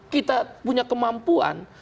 kita punya kemampuan